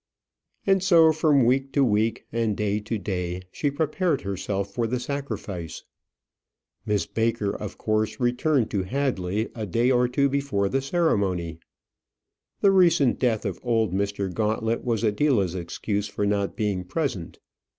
And so from week to week, and day to day, she prepared herself for the sacrifice. Miss Baker of course returned to Hadley a day or two before the ceremony. The recent death of old Mr. Gauntlet was Adela's excuse for not being present.